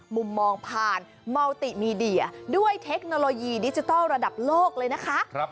มุมมองผ่านเมาติมีเดียด้วยเทคโนโลยีดิจิทัลระดับโลกเลยนะคะ